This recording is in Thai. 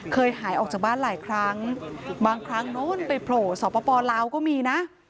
เคยหายออกจากบ้านหลายครั้งบางครั้งโน้นไปโผล่สปลาวก็มีนะ